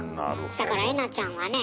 だからえなちゃんはね